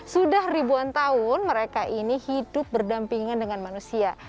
sudah ribuan tahun mereka ini hidup berdampingan dengan manusia